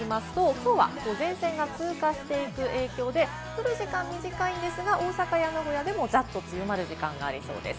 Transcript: きょうは前線が通過していく影響で、降る時間は短いですが、大阪や名古屋でもざっと強まる時間がありそうです。